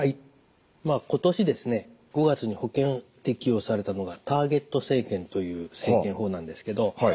今年ですね５月に保険適用されたのがターゲット生検という生検法なんですけど